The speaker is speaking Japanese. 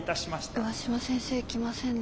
上嶋先生来ませんねえ。